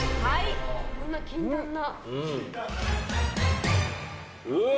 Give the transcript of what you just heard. こんな禁断な。